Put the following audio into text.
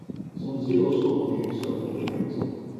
种子由瘦果的颜色分成两种。